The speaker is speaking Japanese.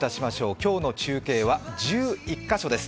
今日の中継は１１カ所です。